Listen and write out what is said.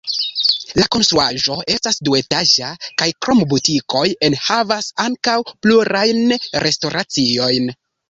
La konstruaĵo estas duetaĝa kaj krom butikoj enhavas ankaŭ plurajn restoraciojn.